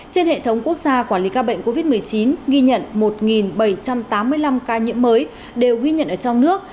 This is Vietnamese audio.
trên hệ thống quốc gia quản lý ca bệnh covid một mươi chín ghi nhận một bảy trăm tám mươi năm ca nhiễm mới đều ghi nhận ở trong nước